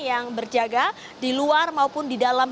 yang berjaga di luar maupun di dalam